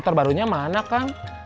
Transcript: motor barunya mana kang